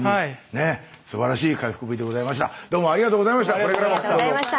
すばらしい回復ぶりでございました。